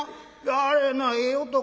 あれなええ男やで。